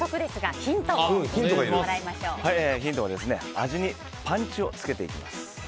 ヒントは味にパンチをつけていきます。